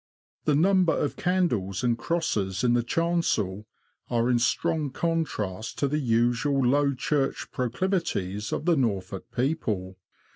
The number of candles and crosses in the chancel are in strong contrast to the usual Low Church proclivities of the Norfolk people.